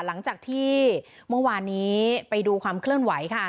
หลังจากที่เมื่อวานนี้ไปดูความเคลื่อนไหวค่ะ